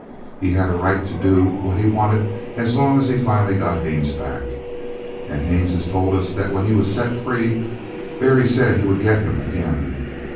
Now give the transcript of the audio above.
He had a right to do what he wanted as long as he finally got Haines back. And Haines has told us that when he was set free Barry said he would get him again.